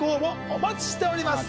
お待ちしております